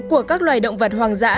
của các loài động vật hoang dã